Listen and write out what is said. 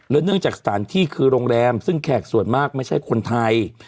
เนื่องจากสถานที่คือโรงแรมซึ่งแขกส่วนมากไม่ใช่คนไทย